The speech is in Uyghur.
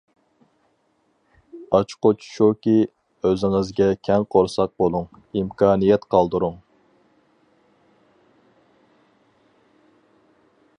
ئاچقۇچ شۇكى، ئۆزىڭىزگە كەڭ قورساق بولۇڭ، ئىمكانىيەت قالدۇرۇڭ.